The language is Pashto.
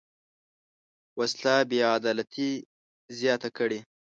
وسله بېعدالتي زیاته کړې